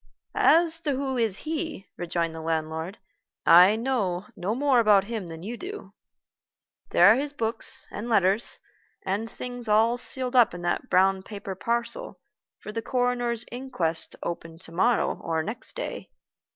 "As to who is he," rejoined the landlord, "I know no more about him than you do. There are his books, and letters, and things all sealed up in that brown paper parcel for the coroner's inquest to open to morrow or next day.